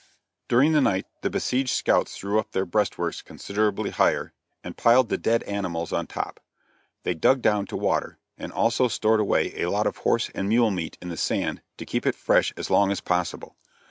During the night the besieged scouts threw up their breastworks considerably higher and piled the dead animals on top. They dug down to water, and also stored away a lot of horse and mule meat in the sand to keep it fresh as long as possible.